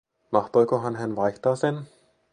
Mahtoikohan hän vaihtaa sen?